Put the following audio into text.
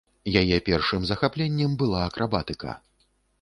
Яе першым захапленнем была акрабатыка.